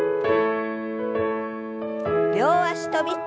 両脚跳び。